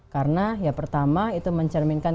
karena pertama itu mencerminkan